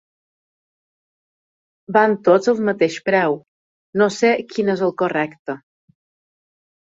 Van tots al mateix preu, no sé quin és el correcte.